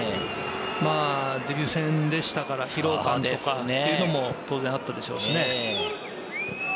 デビュー戦でしたから、疲労感というのも当然あったでしょうしね。